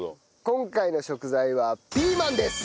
今回の食材はピーマンです。